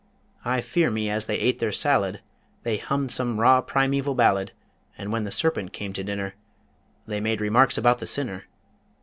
I fear me as they ate their salade They hummed some raw primeval ballad, And when the Serpent came to dinner, They made remarks about the sinner.